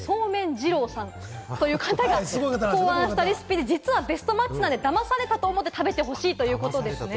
二郎さんという方が考案したレシピで、実はベストマッチで、騙されたと思って食べてほしいということですね。